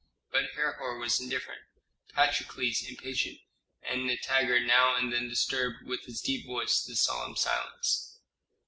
But Herhor was indifferent, Patrokles impatient, and Nitager now and then disturbed with his deep voice the solemn silence.